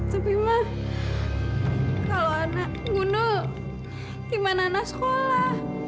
tapi ma kalau anak bunuh gimana anak sekolah